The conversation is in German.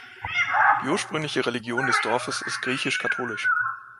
Die ursprüngliche Religion des Dorfes ist griechisch-katholisch.